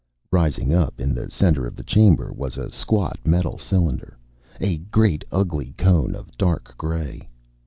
Rising up in the center of the chamber was a squat metal cylinder, a great ugly cone of dark gray.